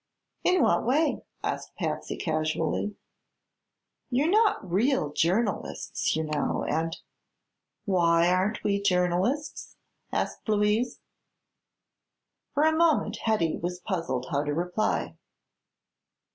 "In what way?" asked Patsy casually. "You're not real journalists, you know, and " "Why aren't we journalists?" asked Louise. For a moment Hetty was puzzled how to reply.